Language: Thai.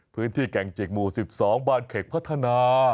พื้นที่แก่งเจกหมู๑๒บ้านเข็กพัฒนา